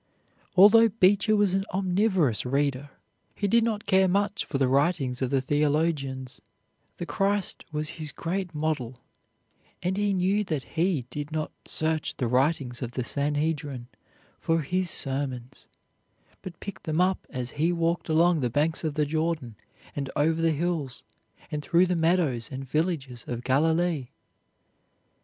Although Beecher was an omnivorous reader he did not care much for the writings of the theologians; the Christ was his great model, and he knew that He did not search the writings of the Sanhedrin for His sermons, but picked them up as He walked along the banks of the Jordan and over the hills and through the meadows and villages of Galilee.